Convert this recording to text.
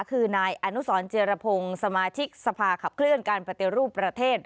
คือนายอนุสรเจรพงศ์สมาชิกสภาขับเคลื่อนการปฏิรูปประเทศ